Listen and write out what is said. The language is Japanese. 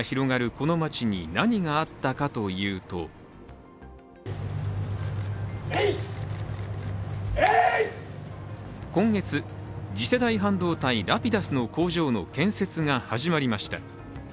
この街に何があったかというと今月、次世代半導体・Ｒａｐｉｄｕｓの工場の建設が始まりました。